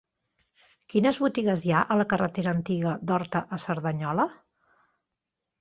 Quines botigues hi ha a la carretera Antiga d'Horta a Cerdanyola?